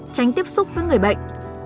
tránh tiếp xúc với người bệnh